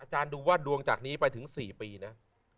อาจารย์ดูว่าดวงจากนี้ไปถึง๔ปีนะ